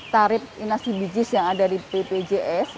tarif inasibijis yang ada di ppjs